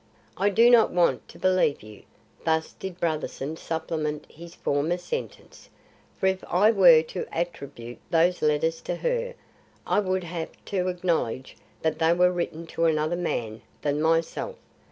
"I do not want to believe you." Thus did Brotherson supplement his former sentence. "For if I were to attribute those letters to her, I should have to acknowledge that they were written to another man than myself.